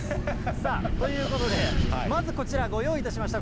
さあ、ということで、まずこちら、ご用意いたしました。